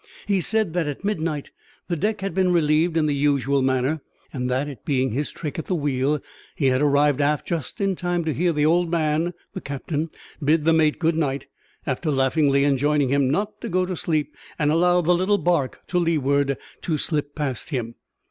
He said that at midnight the deck had been relieved in the usual manner; and that, it being his trick at the wheel, he had arrived aft just in time to hear the "old man" (the captain) bid the mate good night, after laughingly enjoining him not to go to sleep and allow the little barque to leeward to slip past him.